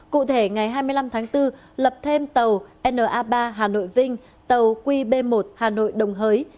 cụ thể ngày hai mươi năm tháng bốn lập thêm tàu na ba hà nội vinh tàu qb một hà nội đồng hới